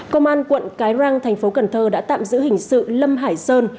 công an quận cái răng thành phố cần thơ đã tạm giữ hình sự lâm hải sơn